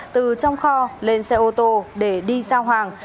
từ trong kho lên xe ô tô để đi giao hàng